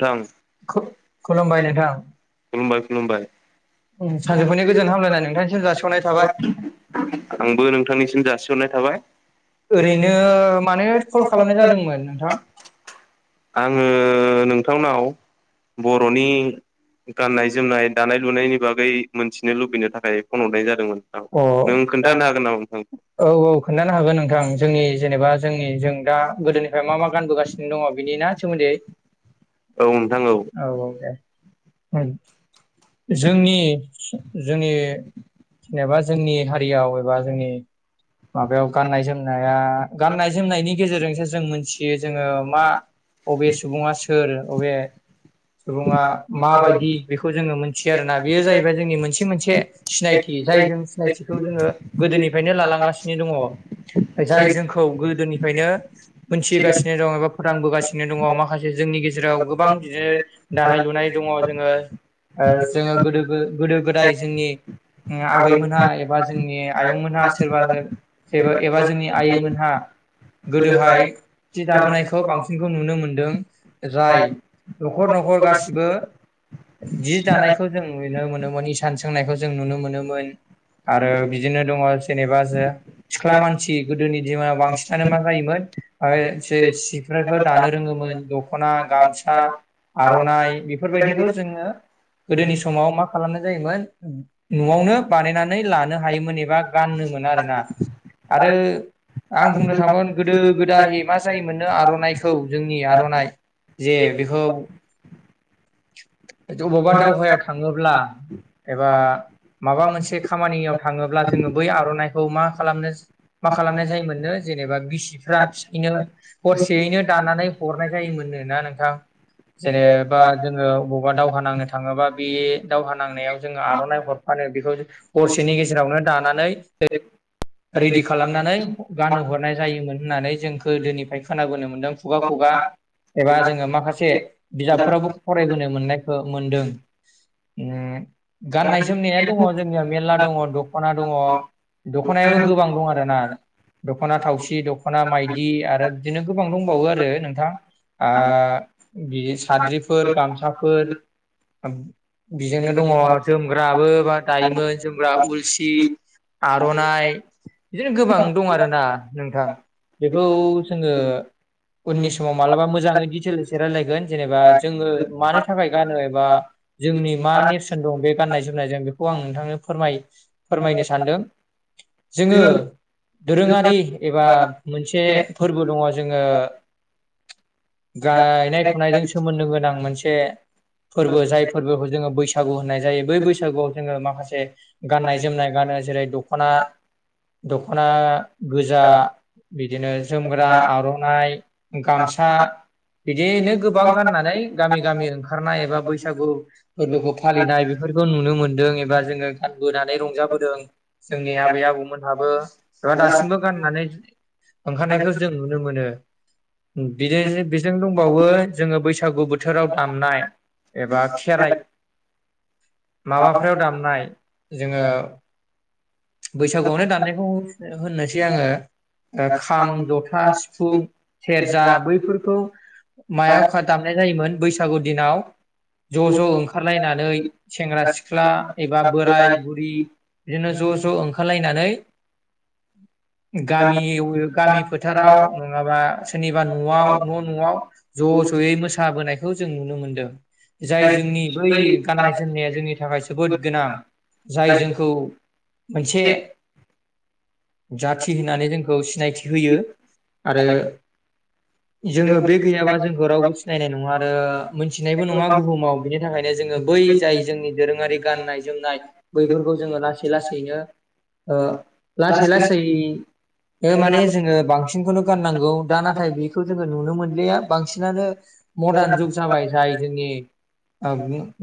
नोंथां खुलुमबाय खुलुमबाय [unintelligible] आंबो नोंथांनिसिम जासिग [unintelligible] नाय थाबाय [unintelligible] आङो नोंथांनाव बर'नि गाननाय जोमनाय दानाय लुनायनि बागै मोनथिनो लुबैनो थाखाय फन हरनाय जादोंमोनां नों [inaudible] ख ह औ औ खोन्थानो हागोन नोंथां जोंनि [unintelligible] जेनेबा जोंनि जों दा गोदोनिफ्राय मा मा गानबोगासिनो दङ बिनिना सोमोन्दै औ नोंथां औ औ दे [inaudible] जोंनि जोंनि जेनेबा जोंनि हारियाव एबा जोंनि माबायाव गाननाय जोमनाया गाननाय जोमनायनि गेजेरजोंसो जों मिथि [inaudible] जोङो मा बबे सुबुङा सोर बबे सुबुङा माबायदि बेखौ जोङो मोनथियो आरोना बेयो जाहैबाय जोंनि मोनसे मोनसे सिनायथि जायजों सिनायथिखौ जोङो गोदोनिफायनो लालांगासिनो दङ' जाय जोंखौ गोदोनिफायनो मोनथिहोगासिनो दङ' एबा फोरांबोगासिनो दङ' माखासे जोंनि गेजेराव गोबां बिदिनो दानाय लुनाय दङ' जोङो ओ जोङो गोबो गोदो गोदाय जोंनि ङाआबैमोनहा एबा जोंनि आयंमोनहा सोरबाफोर जेबो एबा जोंनि आइमोनहा गोदोहाय थि दाबोनायखौ बांसिन खौ नुनो मोनदों राय न'खर न'खर गासिबो जि दानायखौ जों नुइनो मोनोमोन इसान सोंनायखौ जों नुनो मोनोमोन। आरो बिदिनो दङ' जेनेबा जो सिख्ला मानसि गोदोनि दिनाव बांसिनानो मा जायोमोन ओ जे सिख्लाखौ दानो रोङोमोन दख'ना गाम सा आर'नाइ बेफोरबायदिखौ जोङो गोदोनि समाव मा खालामनाय जायोमोन न'आवनो बानायनानै लानो हायोमोन एबा गाननोमोन आरोना। आरो आं बुंनो थाबोन गोदो गोदाय मा जायोमोननो आर'नाइ खौ जोंनि आर'नाइ जे बेखौ ज'अबावबा दावहायाव थाङोब्ला [inaudible] एबा माबा मोनसे खामानियाव थाङोब्ला जोङो बै आर'नाइखौ मा खालामनो मा खालामनाय जायोमोननो जेनेबा बिसिफ्रा फिसायनो हरसेयैनो दानानै हरनाय जायोमोन नो ना नोंथां। जेनेबा जोङो अबावबा दावहा नांनो थाङोबा बे दावहा नांनायाव जोङो आर'नाइ हरफानो बेखौ हरसेनि गेजेरावनो दानानै रेडि खालामनानै गानहोहरनाय जायोमोन होननानै जों गोदोनिफ्राय खोनाबोनो मोन्दों खुगा खुगा [inaudible] एबा जोङो माखासे बिजाब फोरावबो फरायबोनो मोननायखो मोनदों। उम गाननाय जोमनाया दङ' जोंनियाव मेरला दङ' दख'ना दङ', दख'नायाबो गोबां दं आरोना। दख'ना थावसि, दख'ना माइदि आरो बिदिनो गोबां दंबावो आरो नोंथां। आ बिदि साद्रिफोर गामसाफोर बिजोंनो दङ' जोमग्राबो बा दायामोन जोमग्रा, उलसि, आर' नाय बिदिनो गोबां दं आरोना नोंथां। बेखौ जोङो उननि समाव मालाबा मोजाङै दिटेलसे रायलायगोन जेनेबा जोङो मानो थाखाय गानो एबा जोंनि मा नेरसोन दं बे गाननाय जोमनायजों बेखौ आं नोंथांनो फोरमाय फोरमायनो सानदों। जोङो दोरोङारि एबा मोनसे फोर्बो दङ' जोङो गायनाय फुनायजों सोमोन्दो गोनां मोनसे फोर्बो जाय फोर्बोखौ जोङो बैसागु होननाय जायो बै बैसागुआव जोङो माखासे गाननाय जोमनाय गान ग्रा जेरै दख'ना दख'ना गोजा बिदिनो जोमग्रा, आर'नाइ, गामसा बिदिनो गोबां गाननानै गामि गामि ओंखारनाय एबा बैसागु फोर्बोखौ फालिनाय बेफोरखौ नुनो मोन दों एबा जोङो गानबोनानै रंजाबोदों। जोंनि आबै आबौमोनहाबो बा दासिमबो गाननानै ओंखारनायखौ जों नुनो मोनो। बेदेजे बेजों दंबावो जोङो बैसागु बोथोराव दामनाय एबा खेराइ माबाफ्राव दामनाय जोङो बैसागुआवनो दामनायखौ [unintelligible] होननोसै आङो। ओ खाम, जथा, सिफुं, सेरजा बैफोरखौ मायाव खा दामनाय जायोमोन बैसागु दिनाव ज' ज' ओंखारलायनानै सेंग्रा सिख्ला एबा बोराय बुरि बिदिनो ज' ज' ओंखारलायनानै गामि [unintelligible] गामि फोथाराव नङाबा सोरनिबा न'आव न' न'आव ज' ज'यै मोसाबोनायखौ जों नुनो मोन्दों। जाय जोंनि बै गाननाय जोमनाया जोंनि थाखाय जोबोद गोनां। जाय जोंखौ मोनसे जाथि होननानै जोंखौ सिनायथि होयो आरो जोङो बे गैयाबा जोंखौ रावबो सिनायनाय नङा आरो मोनथिनायबो नङा बुहुमाव बिनि थाखायनो जोङो बै जाय जोंनि दोरोङारि गाननाय जोमनाय बैफोरखौ जोङो लासै लासै नो ओ लासै लासै ओ माने जोङो बांसिनखौनो गाननांगौ। दा नाथाय बेखौ जोङो नुनो मोनलिया बांसिनानो मदार्न जुग जाबाय जाय जोंनि ओ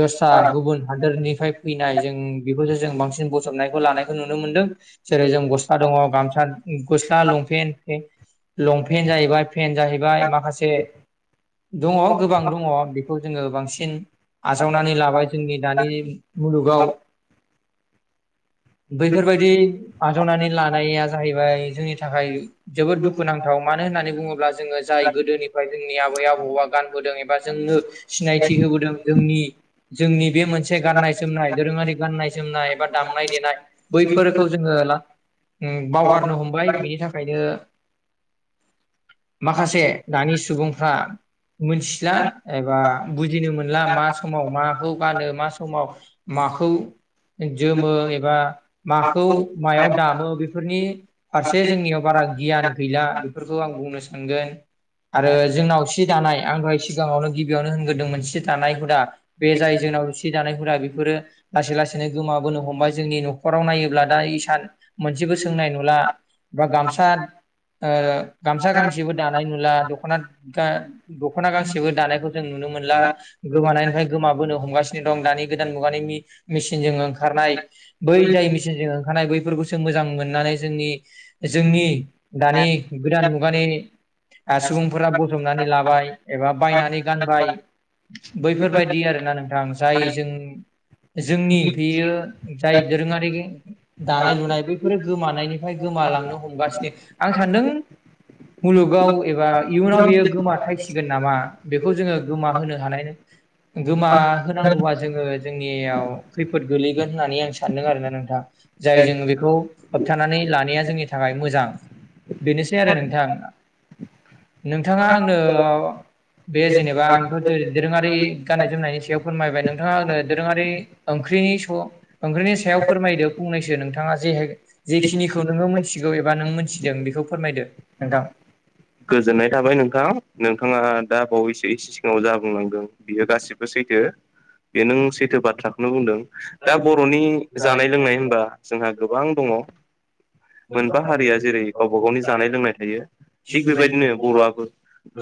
दस्रा गुबुन हादोरनिफ्राय फैनाय जों बेफोरजों जों बांसिन बजबनाय लानायखौ नुनो मोनदों जेरै जों गस्ला दङ' गामसा गस्ला लंपेन लंपेन्ट जाहैबाय पेन्ट जाहैबाय माखासे दङ' गोबां दङ' बेखौ जोङो बांसिन आजावनानै लाबाय जोंनि दानि मुलुगाव [inaudible] बैफोरबायदि आजावनानै लानाया जाहैबाय जोंनि थाखाय जोबोद दुखुनां थाव मानो होननानै बुङोब्ला जोङो जाय गोदोनिफ्राय जोंनि आबै आबौआ गानबोदों एबा जोंनो सिनाय मिथि होबोदों जोंनि जोंनि बे मोनसे गाननाय जोमनाय दोरोङारि गाननाय जोमनाय एबा दामनाय देनाय बैफोरखौ जोङो उम बावगारनो हमबाय बिनि थाखायनो माखासे दानि सुबुंफ्रा मोनथिला एबा बुजिनो मोनला मा समाव माखौ गानो मा समाव मा खौ जोमो एबा माखौ मायाव दामो बेफोरनि फारसे जोंनियाव बारा गियान गैला बेफोरखौ आं बुंनो सानगोन आरो जोंनाव सि दानाय आं दहाय सिगाङावनो गिबियावनो होनग्रोदोंमोन सि दानाय हुदा बे जाय जों सि दानाय हुदा बेफोरो लासै लासैनो गोमाबोनो हमबाय जोंनि न'खराव नायोब्ला दा इसान मोनसेबो सोंनाय नुला बा गामसा ओ गामसा गांसेबो दानाय नुला दख'ना दा दख'ना गांसेबो दानायखौ जों नुनो मोनला गोमानायनिफ्राय गोमाबोनो हमगासिनो दं दानि गोदान मुगानि मे-मेसिनजों ओंखारनाय बै जाय मेसिनजों ओंखारनाय बैफोरखौसो मोजां मोननानै जोंनि जोंनि दानि गोदान मुगानि सुबुंफोरा बजबनानै लाबाय एबा बायनानै गानबाय बैफोरबायादि आरोना नोंथां जाय जों जोंनि बेयो जाय दोरोङारि दानाय लुनाय बैफोरो गोमानायनिफ्राय गोमालांनो हमगासिनो आं सान्दों मुलुगाव एबा इयुनाव बेयो गोमा थायसिगोन नामा बेखौ जोङो गोमा होनो हानाय गोमा होनांगौबा जोङो जोंनि खैफोद गोलै गोन होननानै आं सानदों आरोना नोंथां जाय जोङो बेखौ होबथानानै लानाया जोंनि थाखाय मोजां बेनोसै आरो नोंथां नोंथाङा आंनो बे जेनेबा आंथ' दोरोङारि गाननाय जोमनायनि सायाव फोरमायबाय नोंथाङा आंनो दोरोङा रि ओंख्रिनि स ओंख्रिनि सायाव फोरमायदो फंनैसो नोंथाङा जे जेखिनिखौ नोङो मिथिगौ एबा नों मोनथिदों बेखौ फोरमायदो नोंथां गोजोननाय थाबाय नोंथां नोंथाङा दा बैसो इसि सिगाङाव जा बुंलांदों बियो गासिबो सैथो बेयो नों सैथो बाथ्राखौनो बुंदों दा बर'नि जानाय लोंनाय होनबा जोंहा गोबां दङ' मोनबा हारिया जेरै गावबा गावनि जानाय लोंनाय थायो थिग बेबायदिनो बर'आबो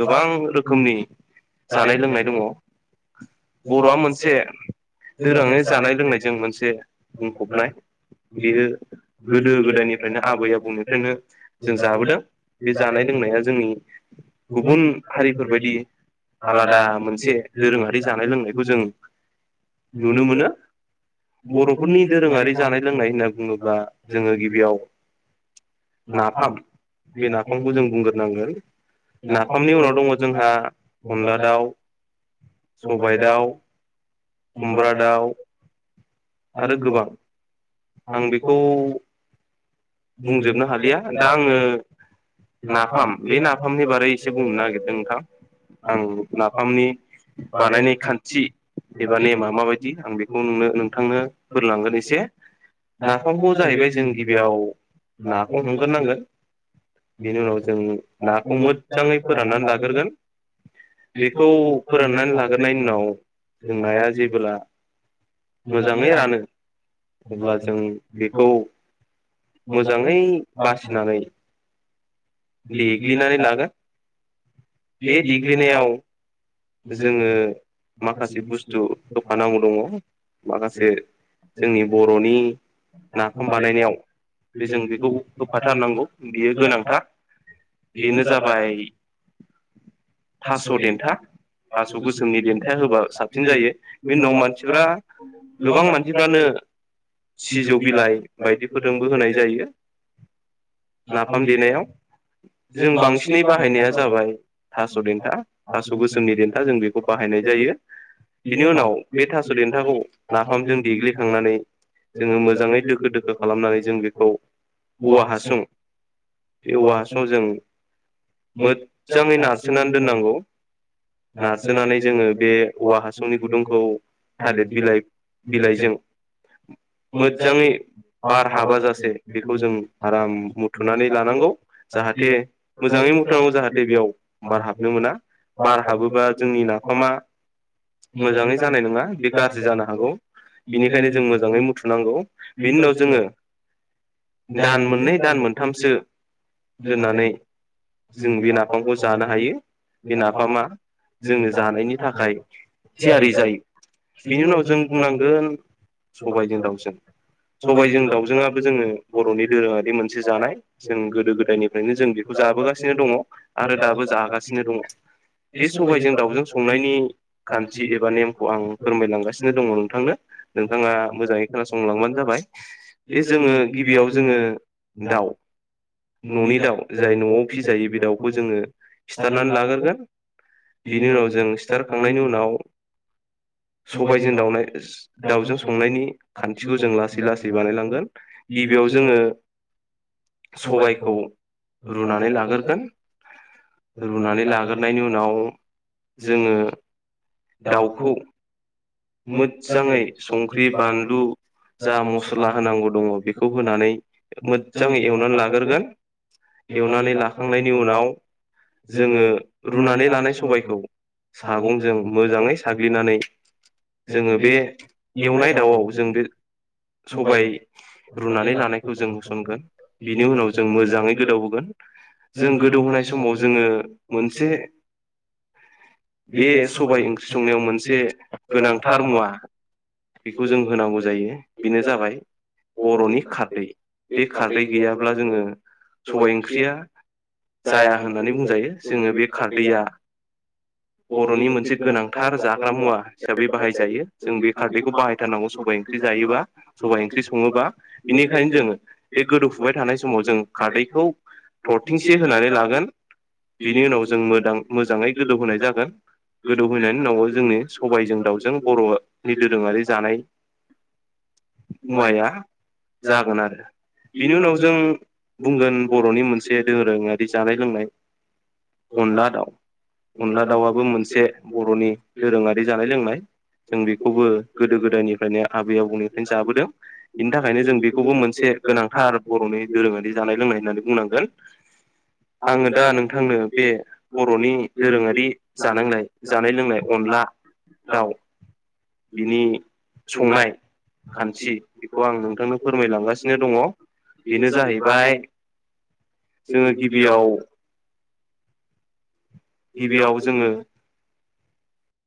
गोबां गोबां रोखोमनि जानाय लोंनाय दङ' बर'आ मोनसे दोरोङै जानाय लोंनायजों मोनसे बुंफबनाय बेयो गोदो गोदायनि फ्रायनो आबै आबौनिफ्रायनो जों जाबोदों बे जानाय लोंनाया जोंनि गुबुन हारिफोरबायदि आलादा मोनसे दोरोङारि जानाय लोंनायखौ जों नुनो मोनो बर'फोरनि दोरोङारि जानाय लोंनाय होनना बुङोब्ला जोङो गिबियाव नाफाम बे नाफामखौ जों बुंग्रोनांगोन नाफामनि उनाव दङ' जोंहा अनला दाउ सबाय दाउ खुमब्रा दाउ आरो गोबां [unintelligible] बुंजोबनो हालिया दा आङो नाफाम बे नाफामनि बारै एसे बुंनो नागिरदों नोंथां। आं नाफामनि बानायनाय खान्थि एबा नेमा माबायदि आं बेखौ नोंनो नोंथांनो फोरलांगोन एसे। नाफामखौ जाहैबाय जों गिबियाव नाखौ हमग्रोनांगोन बेनि उनाव जों नाखौ मोजाङै फोराननानै लाग्रोगोन बेखौ फोराननानै लाग्रोनायनि उनाव जों नाया जेबोब्ला मोजाङै रानो अब्ला जों बेखौ मोजाङै बासिनानै देग्लिनानै लागोन बे देग्लिनायाव जोङो माखासे बुस्थु होफानांगौ दङ माखासे जोंनि बर'नि नाफाम बानायनायाव बे जों बेखौ होफाथारनांगौ बियो गोनांथार बेनो जाबाय थास' देन्था थास' गोसोमनि देन्था होबा साब साबसिन जायो बेनि उनाव मानसिफ्रा गोबां मानसिफ्रानो सिजौ बिलाइ बायदिफोरजोंबो होनाय जायो नाफाम देनायाव जों बांसिनै बाहायनाया जाबाय थास' देन्था थास' गोसोमनि देन्था जों बेखौ बाहायनाय जायो बिनि उनाव बे थासुरि देन्थाखौ नाफामजों देग्लिखांनानै जोङो मोजाङै दोखो दोखो खालामनानै जों बेखौ औवा हासुं बे औवा हासुंआव जों मोजाङै नारसोनानै दोननांगौ नारसोनानै जोङो बे औवा हासंनि गुदुंखौ थालिर बिलाइ बिलाइजों मोजाङै बार हाब जासे बेखौ जों आराम बुथुमनानै लानांगौ जाहाथे मोजाङै मथराव जाहाथे बेयाव बार हाबनो मोना बार हाबोबा जोंनि नाफामा मोजाङै जानाय नङा बे गाज्रि जान हागौ बेनिखायनो जों मोजाङै मुथुनांगौ बेनि उनाव जोङो दान मोननै दान मोनथामसो दोननानै जों बे नाफामखौ जानो हायो बे नाफामा जोङो जानायनि थाखाय थियारि जायो बिनि उनाव जों बुंनांगोन सबायजों दाउजों सबायजों दाउजोंआबो जोङो बर'नि दोरोङारि मोनसे जानाय जों गोदो गोदायनिफ्रायनो जों बेखौ जाबोगासिनो दङ आरो दाबो जागासिनो दङ बे सबायजों दाउजों संनायनि खान्थि एबा नेमखौ आं फोरमायलांगासिनो नो दङ नोंथांनो नोंथाङा मोजाङै खोनासंलांबानो जाबाय बे जोङो गिबियाव जोङो दाउ न'नि दाउ जाय न'आव फिसिजायो बे दाउखौ जोङो सिथारनानै लाग्रोगोन बिनि उनाव जों थांनायनि उनाव सबायजो जों दउ दाउजों संनायनि खान्थिखौ जों लासै लासै बानायलांगोन गिबियाव जोङो सबायखौ रुनानै लाग्रोगोन रुनानै लाग्रोननायनि उनाव जोङो दाउखौ मोजजाङै संख्रि बानलु जा मस्ला होनांगौ दङ बेखौ होनानै मोजजाङै एवनानै लाग्रोगोन एवनानै लाखांनायनि उनाव जोङो रुनानै लानाय सबायखौ सागंजों मोजांङै साग्लिनानै जोंङो बे एवनाय दाउआव जों बे सबाय रुनानै लानायखौ जों होसनगोन बिनि उनाव जों मोजांङै गोदावबोगोन जों गोदौहोनाय समाव जोंङो मोनसे बे सबाय ओंख्रि संनायाव मोनसे [inaudible] बेखौ जों होनांगौ जायो बेनो जाबाय बर'नि खारदै बे खारदै गैयाब्ला जोंङो सबाइ ओंख्रिया जाया होननानै बुंजायो जोंङो बे खारदैया बर'नि मोनसे गोनांथार जाग्रा मुवा हिसाबै बाहाय जायो जों बे खारदैखौ बाहायथारनांगौ सबाइ ओंख्रि जायोबा सबाइ ओंख्रि संङोबा बेनिखायनो जों बे गोदौफुबाय थानाय समाव जों खारदैखौ थरथिंसे होनानै लागोन बिनि उनाव जों मोदां मोजांङै गोदौ होनाय जागोन गोदौहोनायनि उनाव जोंनि सबाय जों दाउजों बर'नि दोरोंङारि जानाय मुवाया जागोन आरो बिनि उनाव जों बुंगोन बर'नि मोनसे दोरोंङारि जानाय लोंनाय अनला दाउ अनला दाउआबो मोनसे बर'नि दोरोंङारि जानाय लोंनाय जों बेखौबो गोदो गोदायनिफ्रायनो आबै आबौनिफ्रायनो जाबोदों बेनि थाखायनो जों बेखौबो मोनसे गोनांथार बर'नि दोरोंङारि जानाय लोंनाय होननानै बुंनांगोन आङो दा नोंथांनो बे बर'नि दोरोंङारि जानांनाय जानाय लोंनाय अनला दाउ बिनि संनाय खान्थि बेखौ आं नोंथांनो फोरमायलांगासिनो दंङ बेनो जाहैबाय जोंङो गिबियाव गिबियाव जोंङो